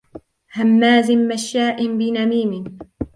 هَمَّازٍ مَّشَّاء بِنَمِيمٍ